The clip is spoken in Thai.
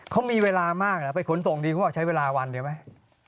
เขามีเวลามากไปขนส่งดีคุณบอกว่าใช้เวลาวันเหรอไหม